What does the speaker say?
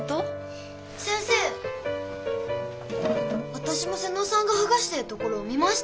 わたしも妹尾さんがはがしてるところを見ました！